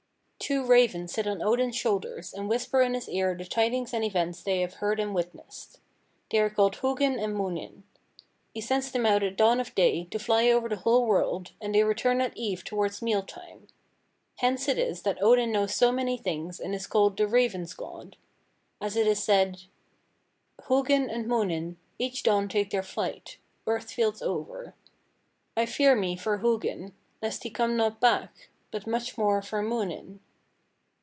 "Two ravens sit on Odin's shoulders and whisper in his ear the tidings and events they have heard and witnessed. They are called Hugin and Munin. He sends them out at dawn of day to fly over the whole world, and they return at eve towards meal time. Hence it is that Odin knows so many things, and is called the Raven's God. As it is said, 'Hugin and Munin Each dawn take their flight Earth's fields over. I fear me for Hugin, Lest he come not back, But much more for Munin.'"